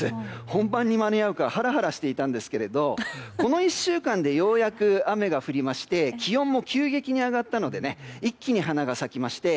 本番に間に合うかハラハラしていたんですけれどこの１週間でようやく雨が降りまして気温も急激に上がったので一気に花が咲きまして。